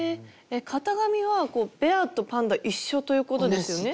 型紙はベアとパンダ一緒ということですよね？